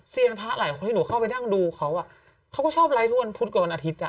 เซียร์ภะหลายคนที่เข้าไปดูเขาก็ชอบไลฟ์ทุกวันพุธกว่าวันอาทิตย์